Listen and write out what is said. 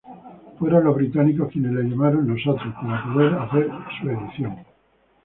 Fueron los británicos quienes la llamaron "Nosotros" para poder hacer su edición.